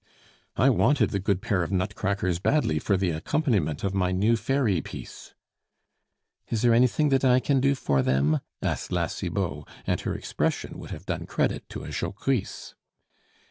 "I wanted the good pair of nutcrackers badly for the accompaniment of my new fairy piece." "Is there anything that I can do for them?" asked La Cibot, and her expression would have done credit to a Jocrisse.